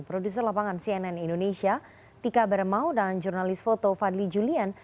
produser lapangan cnn indonesia tika beremau dan jurnalis foto fadli julian